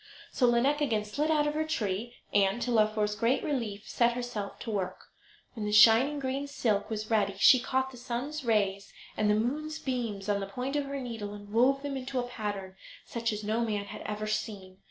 So Lineik again slid out of her tree, and, to Laufer's great relief, set herself to work. When the shining green silk was ready she caught the sun's rays and the moon's beams on the point of her needle and wove them into a pattern such as no man had ever seen.